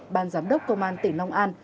ban giám đốc công an tỉnh long an